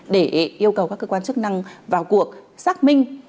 để yêu cầu các cơ quan chức năng vào cuộc xác minh